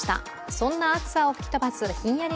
そんな暑さを吹き飛ばすひんやり